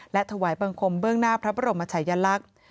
และถวายบังคมเบื้องหน้าพระบรมชายลักษณ์